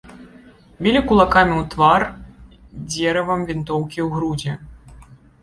Білі кулакамі ў твар, дзеравам вінтоўкі ў грудзі.